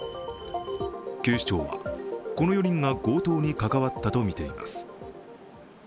警視庁は、この４人が強盗に関わったとみています。